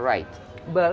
sedikit tapi benar